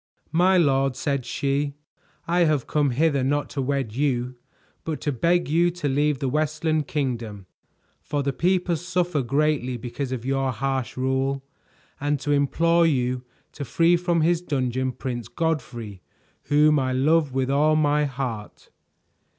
"My lord," said she, "I have come hither not to wed you, but to beg you to leave the Westland Kingdom, for the people suffer greatly because of your harsh rule; and to implore you to free from his dungeon Prince Godfrey, whom I love with all my heart."